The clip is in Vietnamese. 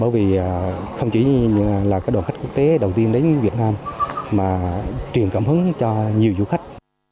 và không chỉ là cái đoàn khách quốc tế đầu tiên đến việt nam mà truyền cảm hứng cho nhiều du khách